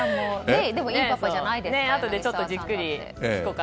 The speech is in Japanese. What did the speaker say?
でも、いいパパじゃないですか。